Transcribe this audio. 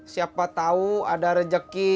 siapa tahu ada rezeki